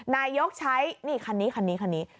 นายกใช้นี่คันนี้คันนี้คันนี้คันนี้